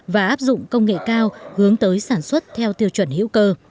và áp dụng công nghệ cao hướng tới sản xuất theo tiêu chuẩn hữu cơ